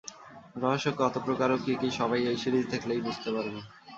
রহস্য কত প্রকার ও কী কী সবাই এই সিরিজ দেখলেই বুঝতে পারবেন।